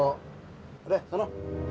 udah ke sana